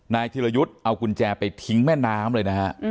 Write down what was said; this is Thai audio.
นายธิวรายุทธ์เอาคุณแจไปทิ้งแม่น้ำเลย